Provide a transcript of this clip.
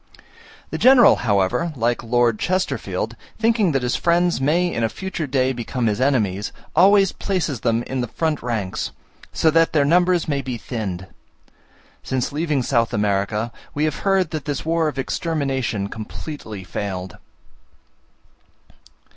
The general, however, like Lord Chesterfield, thinking that his friends may in a future day become his enemies, always places them in the front ranks, so that their numbers may be thinned. Since leaving South America we have heard that this war of extermination completely failed.